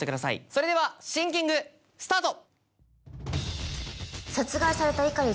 それではシンキングスタート。